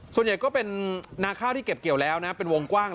ส่วนใหญ่ก็เป็นนาข้าวที่เก็บเกี่ยวแล้วนะเป็นวงกว้าง